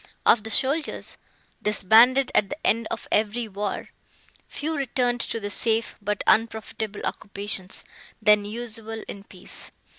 Of the soldiers, disbanded at the end of every war, few returned to the safe, but unprofitable occupations, then usual in peace.